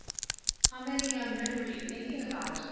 "How many young men are you thinking about?